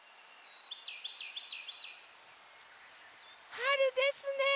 はるですね。